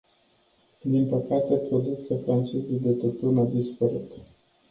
Din păcate, producția franceză de tutun a dispărut.